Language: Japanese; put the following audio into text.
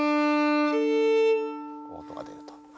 音が出ると。